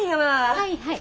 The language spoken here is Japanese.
はいはい。